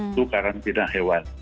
itu karantina hewan